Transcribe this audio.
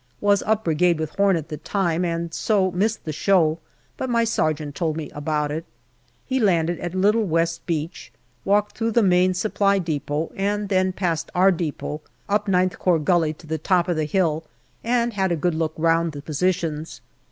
Was up Brigade with Home at the time, and so missed the show ; but my sergeant told me about it. He landed at little West Beach, walked through the Main Supply depot, and then past our depot, up IX Corps Gully to the top of the hill, and had a good look round the positions.